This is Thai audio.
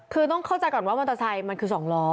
คือต้องเข้าใจก่อนว่ามอเตอร์ไซค์มันคือ๒ล้อ